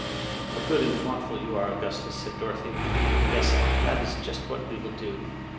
" How good and thoughtful you are, Augustus," said Dorothy. " Yes, that is just what we will do."